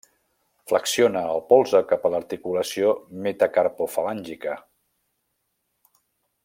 Flexiona el polze cap a l'articulació metacarpofalàngica.